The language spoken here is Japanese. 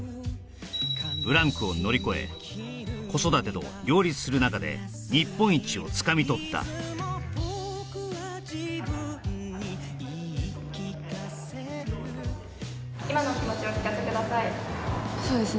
ブランクを乗り越え子育てと両立する中で日本一をつかみ取ったそうですね